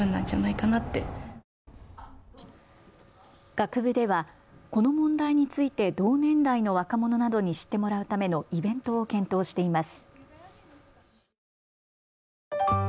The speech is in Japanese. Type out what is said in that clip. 学部ではこの問題について同年代の若者などに知ってもらうためのイベントを検討しています。